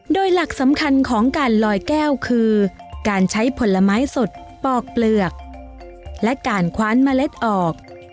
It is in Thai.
โดยหลักสำคัญของการลอยแก้วคือการใช้ผลไม้สดปอกเปลือกและการคว้านเมล็ดออก